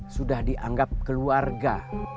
sudah dianggap keluarga